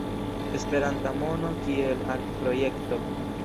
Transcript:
Esperanta mono kiel artprojekto.